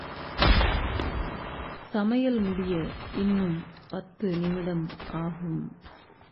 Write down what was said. சமையல் முடிய இன்னும் பத்து நிமிடம் ஆகும்.